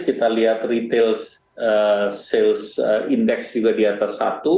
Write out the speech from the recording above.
kita lihat retail sales index juga di atas satu